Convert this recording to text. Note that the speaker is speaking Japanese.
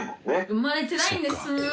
生まれてないんです。